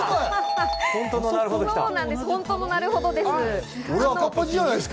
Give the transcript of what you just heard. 本当の「なるほど」です。